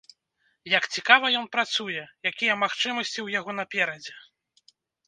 Як цікава ён працуе, якія магчымасці ў яго наперадзе.